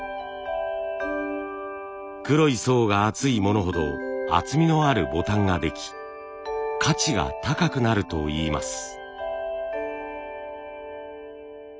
黒い層が厚いものほど厚みのあるボタンができ価値が高くなるといいます。